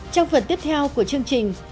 trong phần tiếp theo của chương trình